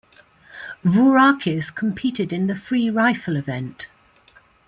Vourakis competed in the free rifle event.